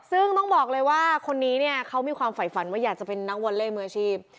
ซึ่งต้องบอกเลยว่าคนนี้เนี่ยเขามีความฝ่ายฝันว่าอยากจะเป็นนักวอลเล่มืออาชีพ